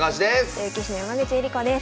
女流棋士の山口恵梨子です。